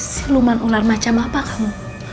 siluman ular macam apa kamu